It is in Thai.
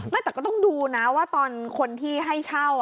แต่ก็ต้องดูนะว่าตอนคนที่ให้เช่า